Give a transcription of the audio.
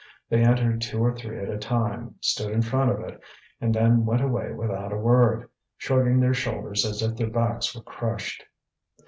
They entered two or three at a time, stood in front of it, and then went away without a word, shrugging their shoulders as if their backs were crushed.